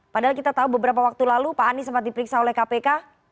padahal kita tahu beberapa waktu lalu pak anies sempat diperiksa oleh kpk